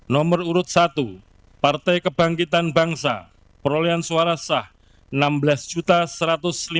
nomor urut satu partai kebangkitan bangsa perolehan suara sah enam belas satu ratus lima belas enam ratus lima puluh lima suara